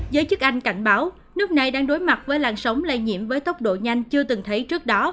giới chức anh cảnh báo nước này đang đối mặt với làn sóng lây nhiễm với tốc độ nhanh chưa từng thấy trước đó